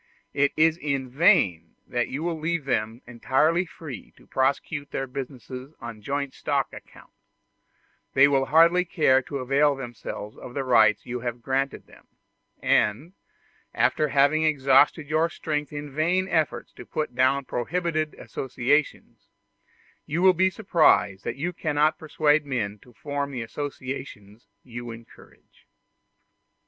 It is in vain that you will leave them entirely free to prosecute their business on joint stock account: they will hardly care to avail themselves of the rights you have granted to them; and, after having exhausted your strength in vain efforts to put down prohibited associations, you will be surprised that you cannot persuade men to form the associations you encourage.